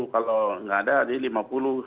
kalau nggak ada jadi rp lima puluh